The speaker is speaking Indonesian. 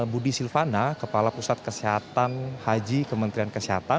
budi silvana kepala pusat kesehatan haji kementerian kesehatan